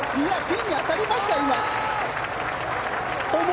ピンに当たりましたよ今。